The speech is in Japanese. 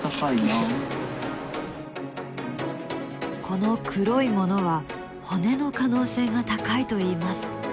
この黒いものは骨の可能性が高いといいます。